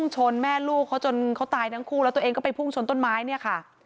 ชนแม่ลูกเขาจนเขาตายทั้งคู่แล้วตัวเองก็ไปพุ่งชนต้นไม้เนี่ยค่ะ